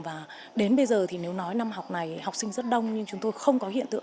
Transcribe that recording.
và đến bây giờ thì nếu nói năm học này học sinh rất đông nhưng chúng tôi không có hiện tượng